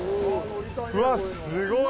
うわっ、すごい！